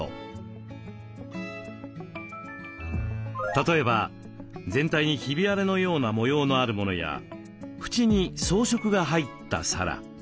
例えば全体にひび割れのような模様のあるものや縁に装飾が入った皿。